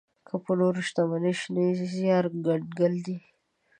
که په نوره شتمني شي زيار کنګال دی.